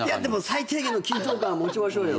最低限の緊張感は持ちましょうよ。